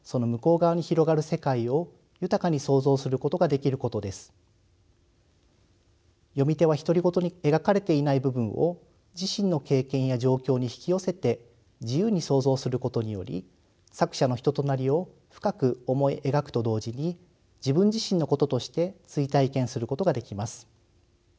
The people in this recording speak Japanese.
３つ目の意義と可能性は読み手は独り言に描かれていない部分を自身の経験や状況に引き寄せて自由に想像することにより作者の人となりを深く思い描くと同時に自分自身のこととして追体験することができます。